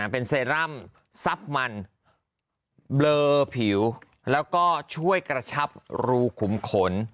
เป็นเซรั่มซับมันเบลอผิวแล้วก็ช่วยกระชับรูขุมขน